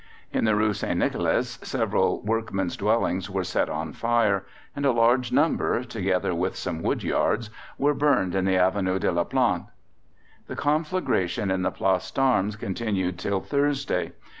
In the Rue St. Nicolas several workmen's dwellings were set on fire, and a larger number, together with some wood yards, were burned in the Avenue de la Plante. The conflagration in the Place d'Armes continued till Thursday.